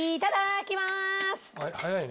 早いね。